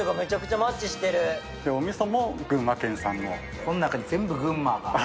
この中に全部群馬が。